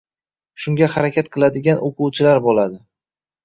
Shunga harakat qiladigan oʻquvchilar boʻladi.